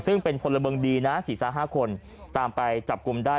ซึ่งเป็นพลเมืองดีนะ๔๕คนตามไปจับกลุ่มได้